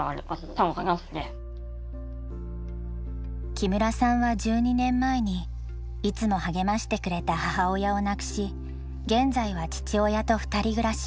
木村さんは１２年前にいつも励ましてくれた母親を亡くし現在は父親と２人暮らし。